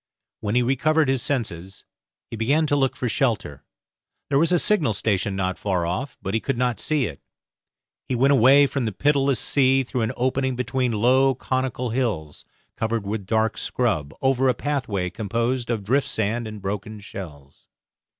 When he recovered his senses he began to look for shelter; there was a signal station not far off, but he could not see it. He went away from the pitiless sea through an opening between low conical hills, covered with dark scrub, over a pathway composed of drift sand and broken shells.